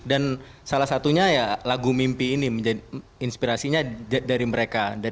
dan salah satunya lagu mimpi ini inspirasinya dari mereka